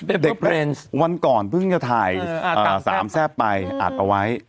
เออเลิศเหรอได้ได้วันก่อนเพิ่งจะถ่ายเอออ่าสามแซ่บไปอ่าเอาไว้